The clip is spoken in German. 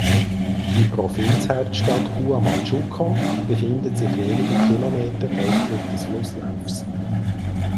Die Provinzhauptstadt Huamachuco befindet sich wenige Kilometer östlich des Flusslaufs.